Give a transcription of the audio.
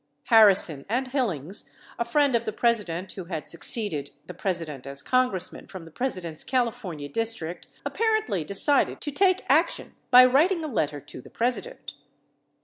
64 Harrison and Hillings, a friend of the President who had succeeded the President as Congressman from the President's California district, apparently decided to take action by writing a letter to the President.